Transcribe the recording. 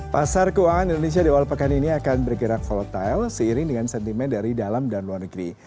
pasar keuangan indonesia di awal pekan ini akan bergerak volatile seiring dengan sentimen dari dalam dan luar negeri